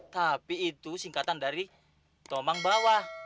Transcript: tapi itu singkatan dari tomang bawah